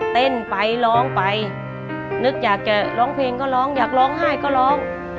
เต้นไปร้องไปนึกอยากจะร้องเพลงก็ร้องอยากร้องไห้ก็ร้อง